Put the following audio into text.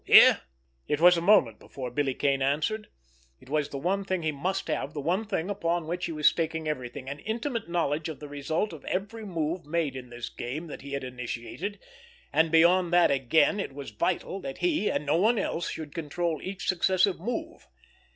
Here?" It was a moment before Billy Kane answered. It was the one thing he must have, the one thing upon which he was staking everything—an intimate knowledge of the result of every move made in this game that he had initiated, and, beyond that again, it was vital that he, and no one else should control each successive move.